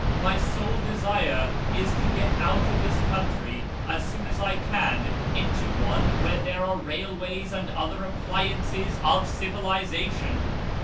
My sole desire is to get out of this country as soon as I can into one where there are railways and other appliances of civilisation.